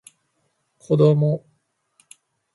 子供